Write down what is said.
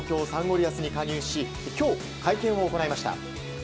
リアスに加入し今日、会見を行いました。